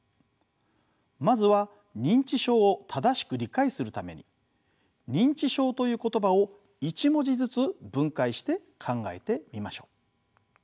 まずは認知症を正しく理解するために認知症という言葉を一文字ずつ分解して考えてみましょう。